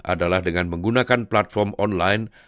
adalah dengan menggunakan platform online